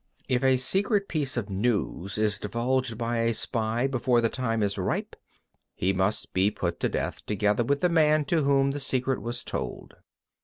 19. If a secret piece of news is divulged by a spy before the time is ripe, he must be put to death together with the man to whom the secret was told.